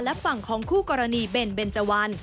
และฝั่งของคู่กรณีเบนเบนเจวัน